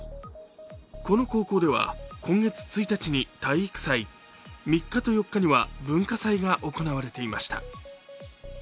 この高校では今月２日に、体育祭３日と４日は文化祭が行われていました。